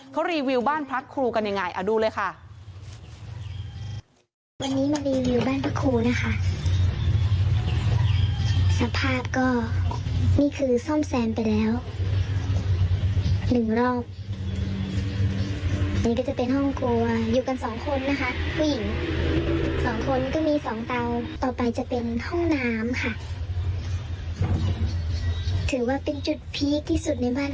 เขารีวิวบ้านพระครูกันยังไงเอาดูเลยค่ะ